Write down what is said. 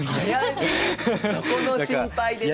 そこの心配でね！？